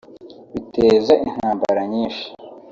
biteza intambara nyinshi